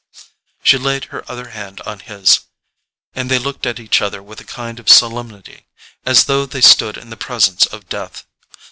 She laid her other hand on his, and they looked at each other with a kind of solemnity, as though they stood in the presence of death.